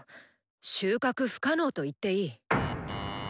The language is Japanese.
収穫不可能と言っていい。